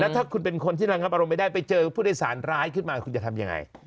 ถ้าคุณเป็นคนที่ระงับอารมณ์ไม่ได้ไปเจอผู้โดยสารร้ายขึ้นมาคุณจะทำยังไง